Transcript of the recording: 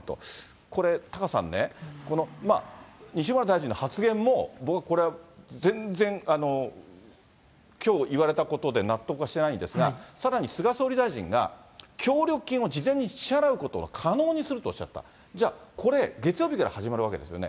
これ、タカさんね、この西村大臣の発言も、僕はこれ、全然、きょう言われたことで納得はしていないんですが、さらに菅総理大臣が、協力金を事前に支払うことは可能にするとおっしゃった、じゃあ、これ、月曜日から始まるわけですよね。